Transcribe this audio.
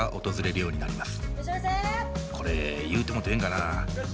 これ言うてもうてええんかな。